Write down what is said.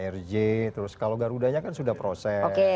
rj terus kalau garuda nya kan sudah proses